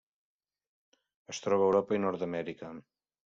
Es troba a Europa i Nord-amèrica.